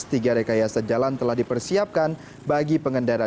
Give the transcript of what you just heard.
tiga rekayasa jalan telah dipersiapkan bagi pengendara